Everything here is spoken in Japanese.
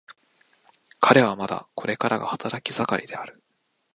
彼はまだこれからが働き盛りである。